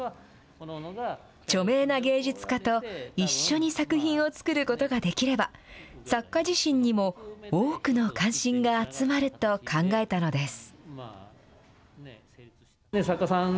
著名な芸術家と一緒に作品を作ることができれば、作家自身にも、多くの関心が集まると考えたのです。